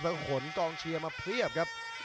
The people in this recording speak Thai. มีผลขนกองเชียร์มาเปรียบครับ